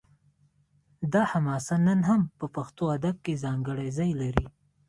دا حماسه نن هم په پښتو ادب کې ځانګړی ځای لري